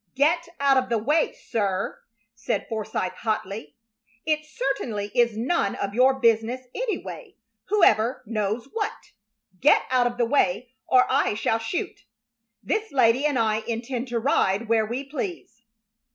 "Get out of the way, sir," said Forsythe, hotly. "It certainly is none of your business, anyway, whoever knows what. Get out of the way or I shall shoot. This lady and I intend to ride where we please."